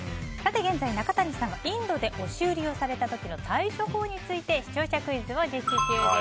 現在、中谷さんがインドで押し売りをされた時の対処法について視聴者クイズを実施中です。